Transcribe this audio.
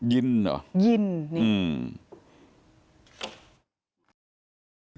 ยินทร์หรอ